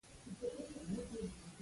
يوه ځوان د چايو ډکه پياله ور ته کېښوده.